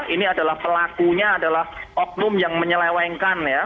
ini adalah pelakunya adalah oknum yang menyelewengkan ya